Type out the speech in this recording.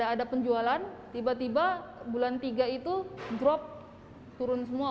ada penjualan tiba tiba bulan tiga itu drop turun semua